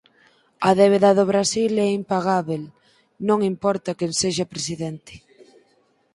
A débeda do Brasil é impagábel, non importa quen sexa presidente.